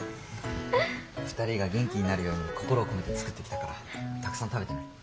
２人が元気になるように心を込めて作ってきたからたくさん食べてね。